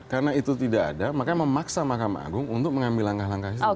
kalau itu tidak ada makanya memaksa mahkamah agung untuk mengambil langkah langkah itu